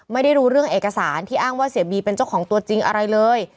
ไม่ได้รู้เรื่องเอกสารที่อ้างว่าเสียบีเป็นเจ้าของตัวจริงอะไรเลย